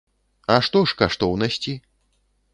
А што ж каштоўнасці?